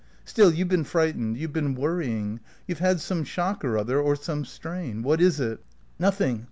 "Still, you've been frightened; you've been worrying; you've had some shock or other, or some strain. What is it?" "Nothing.